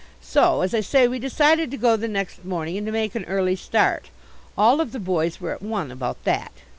So, as I say, we decided to go the next morning and to make an early start. All of the boys were at one about that.